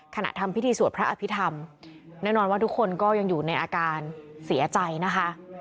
ทำพิธีสวดพระอภิษฐรรมแน่นอนว่าทุกคนก็ยังอยู่ในอาการเสียใจนะคะ